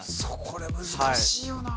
これ難しいよな